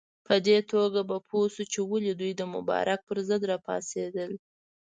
په دې توګه به پوه شو چې ولې دوی د مبارک پر ضد راپاڅېدل.